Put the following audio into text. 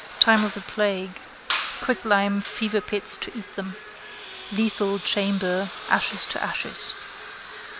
Time of the plague. Quicklime feverpits to eat them. Lethal chamber. Ashes to ashes.